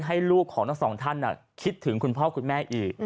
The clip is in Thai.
ให้ลูกของทั้งสองท่านคิดถึงคุณพ่อคุณแม่อีก